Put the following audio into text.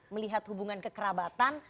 melihat hubungan kekerabatan